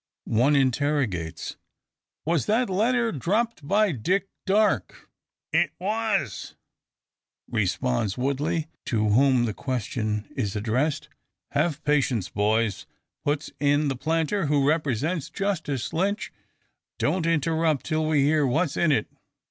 One interrogates, "Was that letter dropped by Dick Darke?" "It was," responds Woodley, to whom the question is addressed. "Have patience, boys!" puts in the planter, who represents Justice Lynch; "don't interrupt till we hear what's in it."